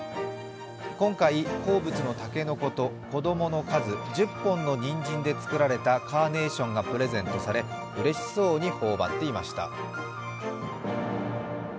今回、好物の竹の子と子供の数、１０本のにんじんで作られたカーネーションがプレゼントされうれしそうに頬張っていました。